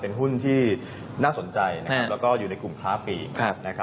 เป็นหุ้นที่น่าสนใจแล้วก็อยู่ในกลุ่มคล้าปี